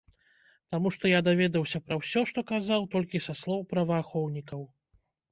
Таму што я даведваўся пра ўсё, што казаў, толькі са слоў праваахоўнікаў.